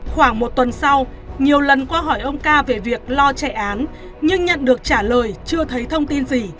khoảng một tuần sau nhiều lần qua hỏi ông ca về việc lo chạy án nhưng nhận được trả lời chưa thấy thông tin gì